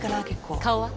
顔は？